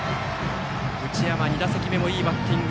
内山、２打席目もいいバッティング。